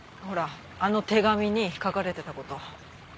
ほらあの手紙に書かれてた事。